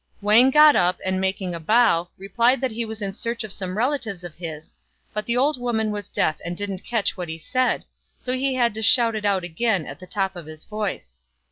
Wang got up, and making a bow, replied that he was in search of some re latives of his ; but the old woman was deaf and didn't catch what he said, so he had to shout it out again at the top of his voice.